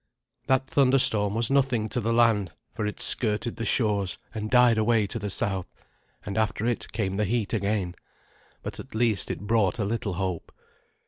That thunderstorm was nothing to the land, for it skirted the shores and died away to the south, and after it came the heat again; but at least it brought a little hope.